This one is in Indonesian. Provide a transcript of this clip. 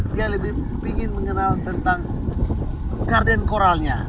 dia lebih ingin mengenal tentang karden koralnya